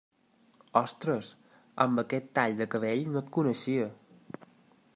Ostres, amb aquest tall de cabell no et coneixia.